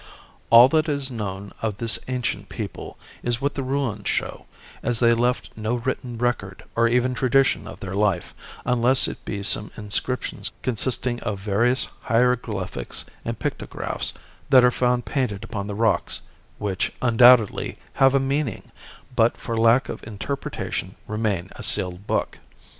All that is known of this ancient people is what the ruins show, as they left no written record or even tradition of their life, unless it be some inscriptions consisting of various hieroglyphics and pictographs that are found painted upon the rocks, which undoubtedly have a meaning, but for lack of interpretation remain a sealed book.